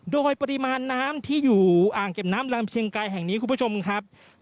โดยปริมาณน้ำที่อยู่อ่างเก็บน้ำลำเชียงไกรแห่งนี้คุณผู้ชมครับ